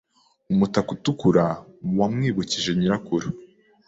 Umutaka utukura wamwibukije nyirakuru.